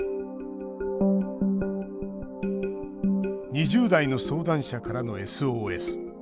２０代の相談者からのＳＯＳ。